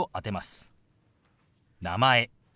「名前」。